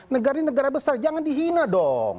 negara negara besar jangan dihina dong